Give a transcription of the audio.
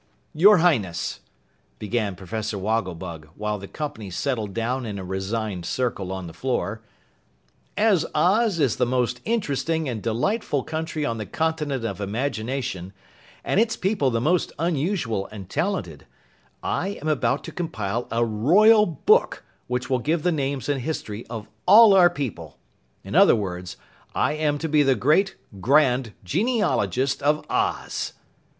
"Your Highness!" began Professor Wogglebug, while the company settled down in a resigned circle on the floor, "As Oz is the most interesting and delightful country on the Continent of Imagination and its people the most unusual and talented, I am about to compile a Royal Book which will give the names and history of all our people. In other words, I am to be the Great, Grand Genealogist of Oz!"